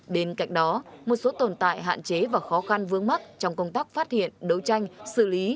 bên cạnh đó một số tồn tại hạn chế và khó khăn vướng mắt trong công tác phát hiện đấu tranh xử lý